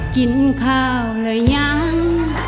กินข้าวแล้วยัง